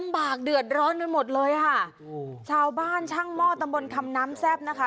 บากเดือดร้อนกันหมดเลยค่ะชาวบ้านช่างหม้อตำบลคำน้ำแซ่บนะคะ